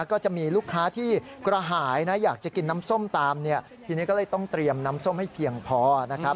ก็จะมีลูกค้าที่กระหายนะอยากจะกินน้ำส้มตามเนี่ยทีนี้ก็เลยต้องเตรียมน้ำส้มให้เพียงพอนะครับ